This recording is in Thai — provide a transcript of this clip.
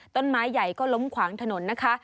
ต้นไม้ใหญ่ก็ล้มขวางถนนนะคะ